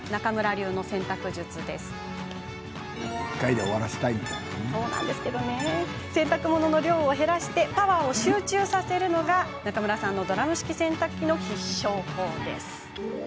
汚れが落ちていないなと感じたら洗濯物の量を減らしてパワーを集中させるのが中村さんのドラム式洗濯機の必勝法なんです。